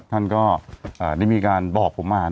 ท่านก็ได้มีการบอกผมมา